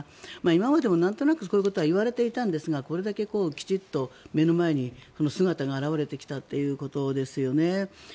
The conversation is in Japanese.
今までもなんとなくこういうことは言われていたんですがこれだけきちんと目の前に姿が現れてきたということですよね。